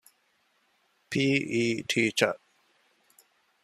ޕީ. އީ ޓީޗަރ